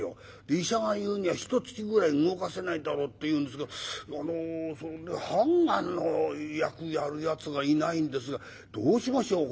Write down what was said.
医者が言うにはひとつきぐらい動かせないだろうって言うんですけどあの判官の役やるやつがいないんですがどうしましょう？